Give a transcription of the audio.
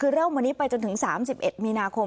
คือเริ่มวันนี้ไปจนถึง๓๑มีนาคม